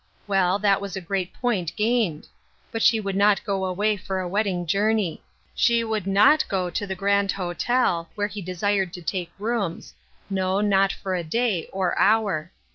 Well, that was a great point gained. . But she would not go away for a wedding journey ; she would not go to the Grand Hotel, where he desired to take rooms — no, not for a day, or hour.